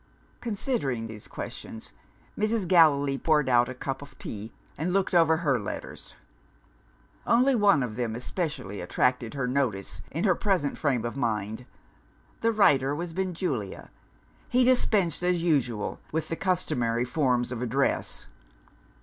Considering these questions, Mrs. Gallilee poured out a cup of tea and looked over her letters. Only one of them especially attracted her notice in her present frame of mind. The writer was Benjulia. He dispensed as usual with the customary forms of address.